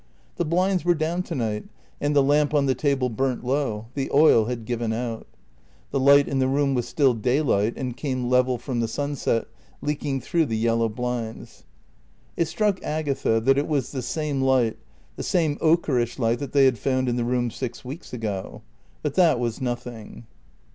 The blinds were down to night, and the lamp on the table burnt low; the oil had given out. The light in the room was still daylight and came level from the sunset, leaking through the yellow blinds. It struck Agatha that it was the same light, the same ochreish light that they had found in the room six weeks ago. But that was nothing.